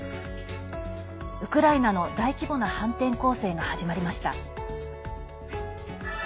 ウクライナの大規模な反転攻勢が始まりました。